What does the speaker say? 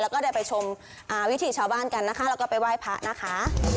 แล้วก็ได้ไปชมวิถีชาวบ้านกันนะคะแล้วก็ไปไหว้พระนะคะ